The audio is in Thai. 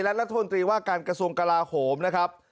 และรัฐมนตรีว่าการกระทรวงกลาโหมนะครับ